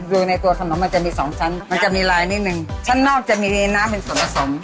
คือในตัวขนมมันจะมีสองชั้นมันจะมีลายนิดนึงชั้นนอกจะมีน้ำเป็นส่วนผสม